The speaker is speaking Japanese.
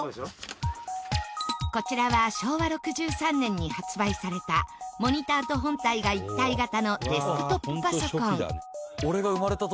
こちらは昭和６３年に発売されたモニターと本体が一体型のデスクトップパソコン。